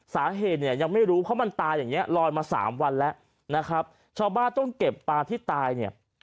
สาเหตุเนี่ยยังไม่รู้เพราะมันตายอย่างเงี้ลอยมาสามวันแล้วนะครับชาวบ้านต้องเก็บปลาที่ตายเนี่ย